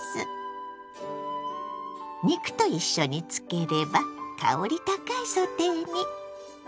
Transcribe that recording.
肉と一緒に漬ければ香り高いソテーに。